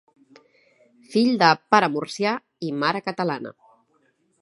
Fill de pare murcià i mare catalana.